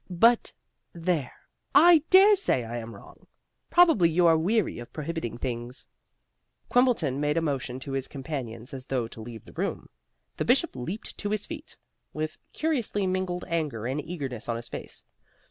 But there, I dare say I am wrong. Probably you are weary of prohibiting things." Quimbleton made a motion to his companions as though to leave the room. The Bishop leaped to his feet, with curiously mingled anger and eagerness on his face.